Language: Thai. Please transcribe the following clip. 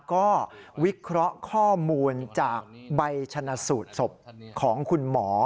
ก็วิเคราะห์ข้อมูลจากใบชนะสูตรศพของคุณหมอ